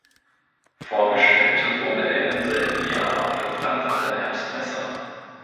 Vorgestellt wurde er im selben Jahr auf der Frankfurter Herbstmesse.